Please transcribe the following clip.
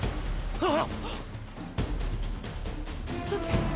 あっ！